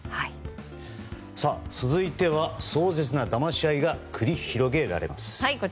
続いては壮絶なだまし合いが繰り広げられます。